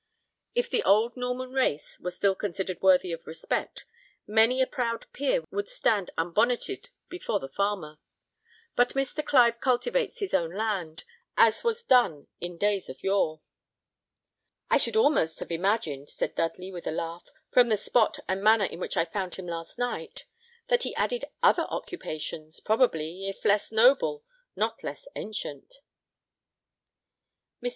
If the old Norman race were still considered worthy of respect, many a proud peer would stand unbonneted before the farmer. But Mr. Clive cultivates his own land, as was done in days of yore." "I should almost have imagined," said Dudley, with a laugh, "from the spot and manner in which I found him last night, that he added other occupations, probably, if less noble, not less ancient." Mr.